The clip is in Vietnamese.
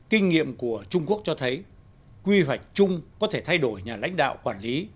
kinh nghiệm của trung quốc cho thấy quy hoạch chung có thể thay đổi nhà lãnh đạo quản lý